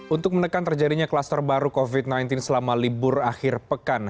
untuk menekan terjadinya kluster baru covid sembilan belas selama libur akhir pekan